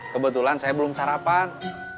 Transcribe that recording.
kebetulan saya belum sarapan